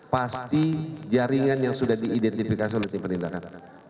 pasti jaringan yang sudah diidentifikasi oleh tim penindakan